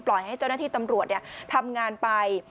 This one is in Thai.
ให้เจ้าหน้าที่ตำรวจทำงานไป